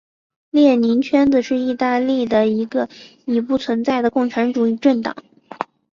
列宁圈子是意大利的一个已不存在的共产主义政党。